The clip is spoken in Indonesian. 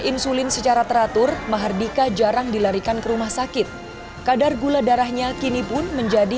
insulin secara teratur mahardika jarang dilarikan ke rumah sakit kadar gula darahnya kini pun menjadi